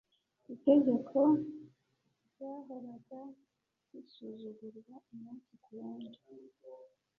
itegeko ryahoraga risuzugurwa umunsi kuwundi